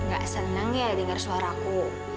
ga seneng ya denger suara aku